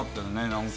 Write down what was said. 何か。